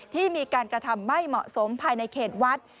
ที่มีการกระทำไม่เหมาะสมภายในเขตวัด